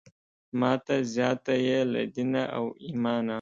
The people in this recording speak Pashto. ماته زیاته یې له دینه او ایمانه.